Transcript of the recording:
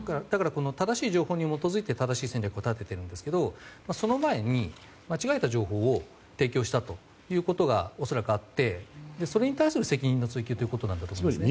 正しい情報に基づいて正しい戦略を立てているんですがその前に間違えた情報を提供したことが恐らくあってそれに対する責任の追及ということだと思います。